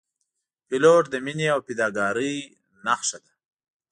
پیلوټ د مینې او فداکارۍ نښه ده.